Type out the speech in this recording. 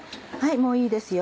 もういいですよ